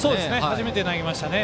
初めて投げましたね。